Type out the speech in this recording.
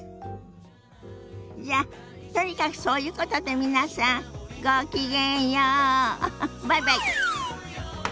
じゃとにかくそういうことで皆さんごきげんようバイバイ。